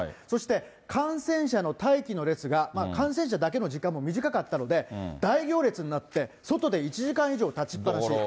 そして感染者の待機の列が、感染者だけの時間も短かったので、大行列になって、外で１時間以上立ちっぱなし。